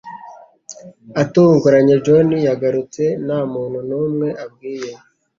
atunguranye Johnny yagarutse nta munu numwe abwiye